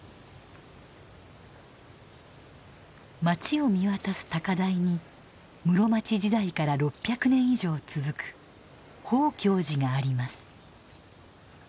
町を見渡す高台に室町時代から６００年以上続く宝鏡寺があります。